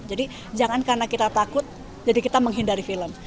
jangan karena kita takut jadi kita menghindari film